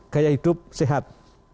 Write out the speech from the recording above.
gaya hidup sehat